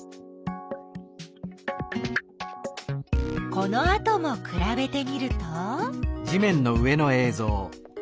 このあともくらべてみると？